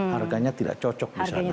harganya tidak cocok